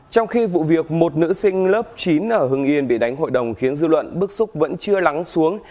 trong khi vụ việc một nữ sinh lớp chín ở hưng yên bị đánh hội đồng khiến dư luận bức xúc vẫn chưa lắng xuống